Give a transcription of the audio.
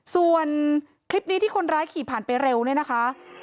ส่วนคลิปนี้ที่คนร้ายขี่ผ่านไปเร็วเนี่ยนะคะ